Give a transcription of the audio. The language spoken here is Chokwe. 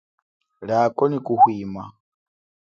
Liako nyi kuhwima.